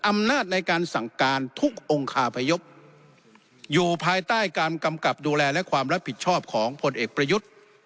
อำนาจในการสั่งการทุกองค์คาพยพอยู่ภายใต้การกำกับดูแลและความรับผิดชอบของผลเอกประยุทธ์